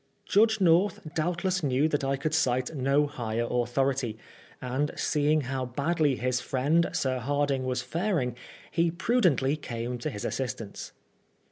Judge North doubtless knew that I could cite no higher authority, and seeing how badly his friend Sir Hardinge was faring, he prudently came to his assistance.